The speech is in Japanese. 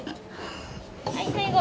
はい最後。